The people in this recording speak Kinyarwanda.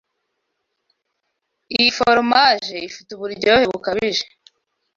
Iyi foromaje ifite uburyohe bukabije.